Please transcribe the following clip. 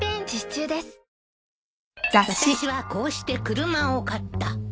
「私はこうして車を買った」